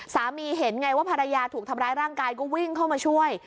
เห็นไงว่าภรรยาถูกทำร้ายร่างกายก็วิ่งเข้ามาช่วย